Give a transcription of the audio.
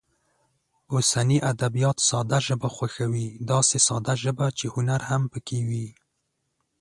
اوسني ادبیات ساده ژبه خوښوي، داسې ساده ژبه چې هنر هم پکې وي.